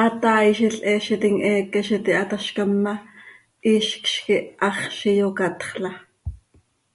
Hataaizil heezitim heeque z iti hatazcam ma, hizcz quih haxz iyocatxla.